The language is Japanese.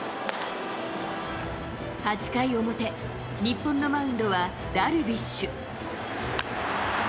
８回表、日本のマウンドはダルビッシュ。